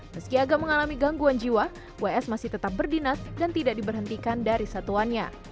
meski agak mengalami gangguan jiwa ws masih tetap berdinas dan tidak diberhentikan dari satuannya